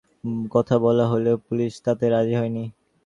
এর বাইরে নয়াপল্টনে সমাবেশের কথা বলা হলেও পুলিশ তাতে রাজি হয়নি।